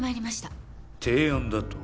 提案だと？